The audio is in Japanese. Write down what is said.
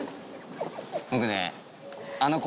僕ね。